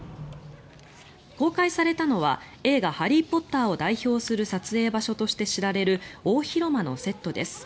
公開されたのは映画「ハリー・ポッター」を代表する撮影場所として知られる大広間のセットです。